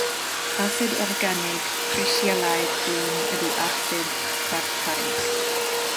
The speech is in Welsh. Asid organig, crisialaidd gwyn ydy asid tartarig.